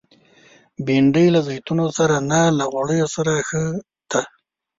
بېنډۍ له زیتونو سره نه، له غوړیو سره ښه ده